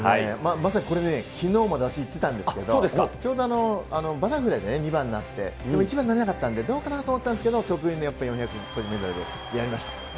まさにこれね、きのうまで私行ってたんですけど、ちょうどバタフライで２番になって、１番になれなかったんで、どうかなと思ったんですけど、得意の４００メートル個人メドレーでやりました。